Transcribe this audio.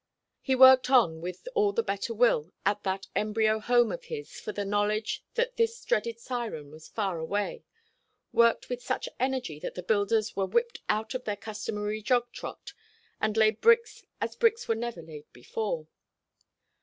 He worked on with all the better will at that embryo home of his for the knowledge that this dreaded siren was far away worked with such energy that the builders were whipped out of their customary jog trot, and laid bricks as bricks were never laid before.